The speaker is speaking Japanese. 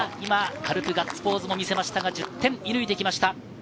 軽くガッツポーズも見せました、１０点射抜いてきました。